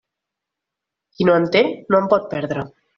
Qui no en té, no en pot perdre.